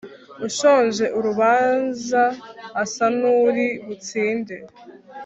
ushoje urubanza asa n'uri butsinde